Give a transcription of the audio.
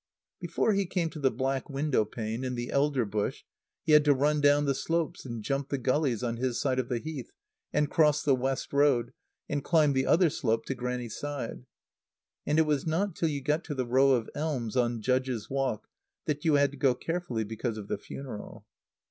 Before he came to the black window pane and the elder bush he had to run down the slopes and jump the gullies on his side of the Heath, and cross the West Road, and climb the other slope to Grannie's side. And it was not till you got to the row of elms on Judge's Walk that you had to go carefully because of the funeral.